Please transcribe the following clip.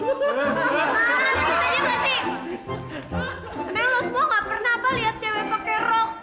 tapi lo semua nggak pernah apa apa liat cewek pakai rok